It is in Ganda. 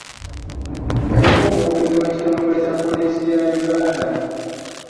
Yaliko omwogezi w'ekitongole kya poliisi ya Uganda